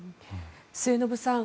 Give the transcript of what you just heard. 末延さん